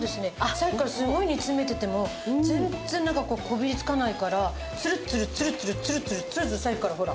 さっきからすごい煮詰めてても全然なんかこびりつかないからつるつるつるつるつるつるつるつるさっきからほら。